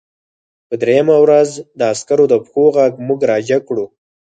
په درېیمه ورځ د عسکرو د پښو غږ موږ راجګ کړو